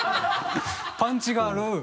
「パンチがある」